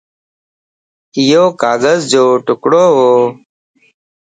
ايو ڪاغذَ جو ٽڪڙو وَ